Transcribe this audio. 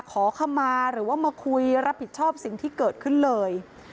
ขอคำมาหรือว่ามาคุยรับผิดชอบสิ่งที่เกิดขึ้นเลย